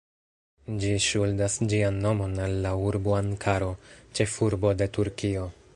Ĝi ŝuldas ĝian nomon al la urbo Ankaro, ĉefurbo de Turkio.